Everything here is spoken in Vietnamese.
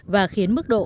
và khiến mức độ